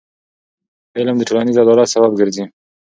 علم د ټولنیز عدالت سبب ګرځي.